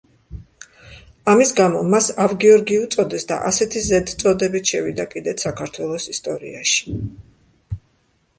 ამის გამო მას ავგიორგი უწოდეს და ასეთი ზედწოდებით შევიდა კიდეც საქართველოს ისტორიაში.